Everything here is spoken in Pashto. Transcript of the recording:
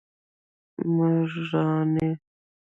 مراڼی